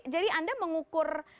jadi anda mengukur